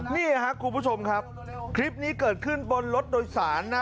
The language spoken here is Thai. นี่ครับคุณผู้ชมครับคลิปนี้เกิดขึ้นบนรถโดยสารนะ